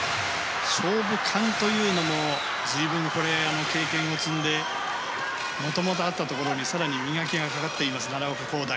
勝負勘というのも随分、経験を積んでもともとあったところに更に磨きがかかっています奈良岡功大。